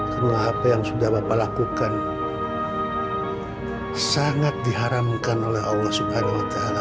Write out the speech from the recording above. karena apa yang sudah bapak lakukan sangat diharamkan oleh allah subhanahu wa ta'ala